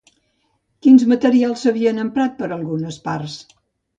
Quins materials s'havien emprat per a algunes parts?